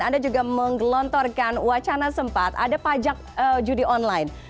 anda juga menggelontorkan wacana sempat ada pajak judi online